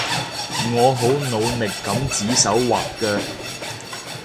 我有好努力噉指手劃腳